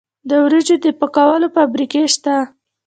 د وریجو د پاکولو فابریکې شته.